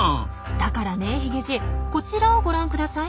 だからねヒゲじいこちらをご覧ください。